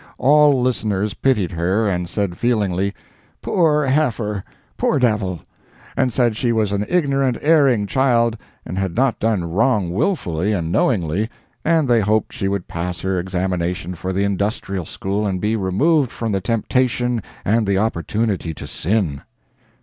All listeners pitied her, and said feelingly: "Poor heifer! poor devil!" and said she was an ignorant, erring child, and had not done wrong wilfully and knowingly, and they hoped she would pass her examination for the Industrial School and be removed from the temptation and the opportunity to sin.